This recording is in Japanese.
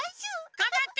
がんばって！